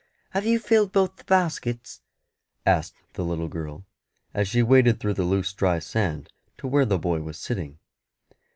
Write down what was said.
"Have you filled both the baskets?" asked the little girl, as she waded through the loose dry sand to where the boy was sitting.